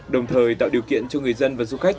đồng thời tạo điều kiện cho người dân và du khách